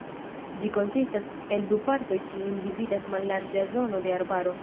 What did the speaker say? Ĝi konsistas el du partoj kiujn dividas mallarĝa zono de arbaro.